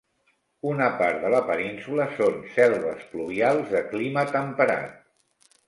Una part de la península són selves pluvials de clima temperat.